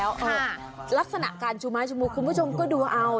แล้วลักษณะการชูไม้ชูมุกคุณผู้ชมก็ดูเอา